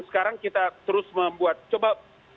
sekarang kita terus membuat coba